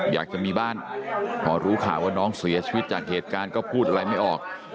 อยากจะมีบ้านพอรู้ข่าวว่าน้องเสียชีวิตจากเหตุการณ์ก็พูดอะไรไม่ออก